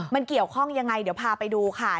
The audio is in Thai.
มันเกี่ยวข้องยังไงเดี๋ยวพาไปดูค่ะ